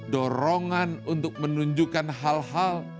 dorongan untuk menunjukkan hal hal